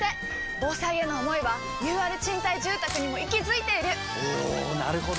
防災への想いはＵＲ賃貸住宅にも息づいているおなるほど！